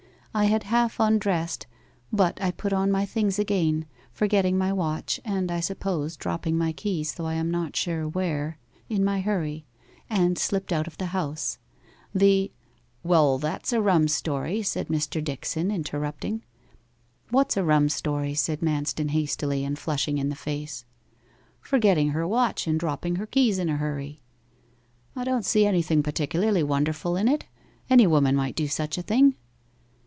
I had half undressed, but I put on my things again, forgetting my watch (and I suppose dropping my keys, though I am not sure where) in my hurry, and slipped out of the house. The "' 'Well, that's a rum story,' said Mr. Dickson, interrupting. 'What's a rum story?' said Manston hastily, and flushing in the face. 'Forgetting her watch and dropping her keys in her hurry.' 'I don't see anything particularly wonderful in it. Any woman might do such a thing.